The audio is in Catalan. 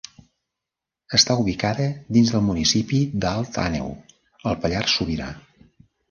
Està ubicada dins del municipi d'Alt Àneu, al Pallars Sobirà.